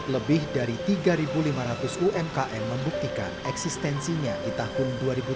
lebih dari tiga lima ratus umkm membuktikan eksistensinya di tahun dua ribu dua puluh